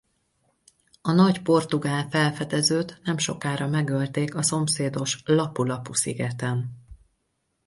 A nagy portugál felfedezőt nemsokára megölték a szomszédos Lapu-Lapu szigeten.